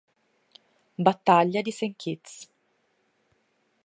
Battaglia di Saint Kitts